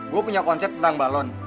gue punya konsep tentang balon